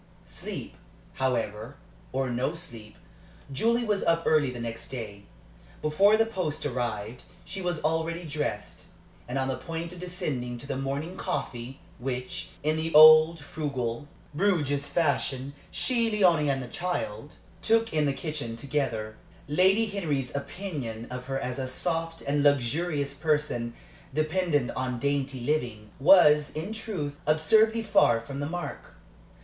Sleep, however, or no sleep, Julie was up early next day. Before the post arrived she was already dressed, and on the point of descending to the morning coffee, which, in the old, frugal, Bruges fashion, she and Léonie and the child took in the kitchen together. Lady Henry's opinion of her as a soft and luxurious person dependent on dainty living was, in truth, absurdly far from the mark.